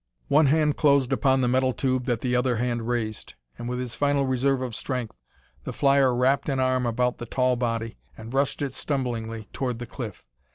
One hand closed upon the metal tube that the other hand raised, and, with his final reserve of strength, the flyer wrapped an arm about the tall body and rushed it stumblingly toward the cliff.